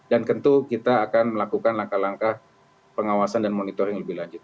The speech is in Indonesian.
dan tentu kita akan melakukan langkah langkah pengawasan dan monitoring lebih lanjut